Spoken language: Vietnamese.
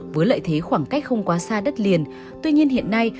với lợi thế khoảng cách không quá xa đất liền tuy nhiên hiện nay